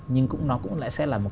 nhưng cũng nó cũng lại sẽ là